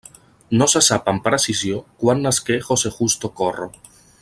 No se sap amb precisió quan nasqué José justo Corro.